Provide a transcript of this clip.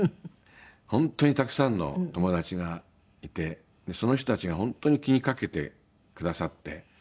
本当にたくさんの友達がいてその人たちが本当に気にかけてくださって。